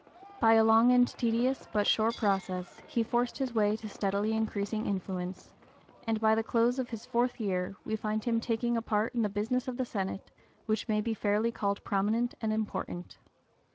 By a long and tedious but sure process he forced his way to steadily increasing influence, and by the close of his fourth year we find him taking a part in the business of the Senate which may be fairly called prominent and important.